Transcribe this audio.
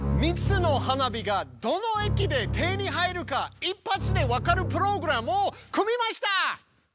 ３つの花火がどの駅で手に入るか一発で分かるプログラムを組みました！